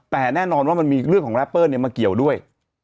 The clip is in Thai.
แต่แน่นอนว่ามันมีเรื่องของแรปเปอร์มาเกี่ยวด้วย